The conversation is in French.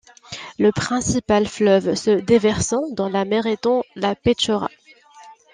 Le principal fleuve se déversant dans la mer étant la Petchora.